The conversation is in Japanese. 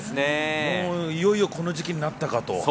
いよいよこの時期になったかと。